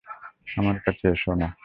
আমার কাছে এসো না।